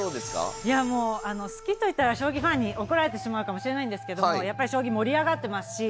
いやもう好きと言ったら将棋ファンに怒られてしまうかもしれないんですけどもやっぱり将棋盛り上がってますし。